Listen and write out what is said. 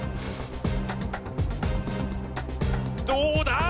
どうだ！？